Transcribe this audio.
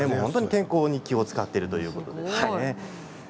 健康に気を遣っているということですね。